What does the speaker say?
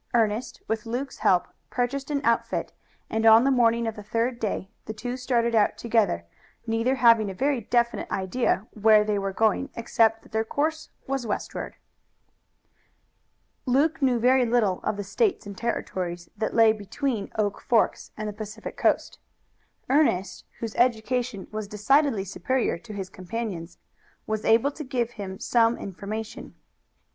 Ernest, with Luke's help, purchased an outfit, and on the morning of the third day the two started out together, neither having a very definite idea where they were going except that their course was westward. Luke knew very little of the States and Territories that lay between Oak Forks and the Pacific Coast. Ernest, whose education was decidedly superior to his companion's, was able to give him some information.